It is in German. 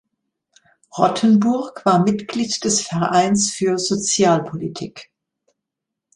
Rottenburg war Mitglied des Vereins für Socialpolitik.